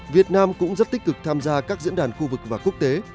việt nam cũng rất tích cực tham gia các diễn đàn khu vực và quốc tế